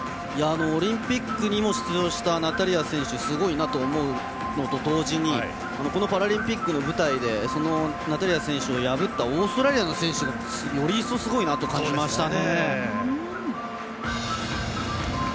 オリンピックにも出場したナタリア選手、すごいなと思うのと同時にこのパラリンピックの舞台でナタリア選手を破ったオーストラリアの選手がより一層すごいなと感じましたね。